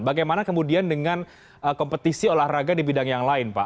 bagaimana kemudian dengan kompetisi olahraga di bidang yang lain pak